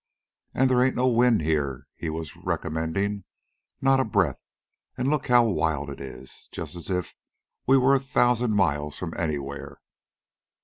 "An' there ain't no wind here," he was recommending. "Not a breath. An' look how wild it is. Just as if we was a thousand miles from anywhere."